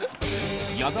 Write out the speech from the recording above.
矢田